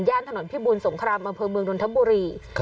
แย่นถนนพิบูลสงครามอเมืองดนทบุรี